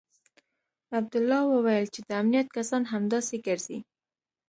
عبدالله وويل چې د امنيت کسان همداسې ګرځي.